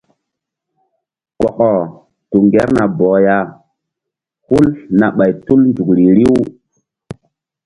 Kɔkɔ tu ŋgerna bɔh ya hul na ɓay tul nzukri riw.